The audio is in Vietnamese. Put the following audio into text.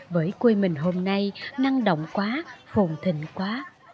với quê mình hôm nay năng động quá phồn thịnh quá